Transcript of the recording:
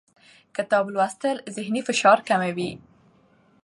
کتاب لوستل ذهني فشار کموي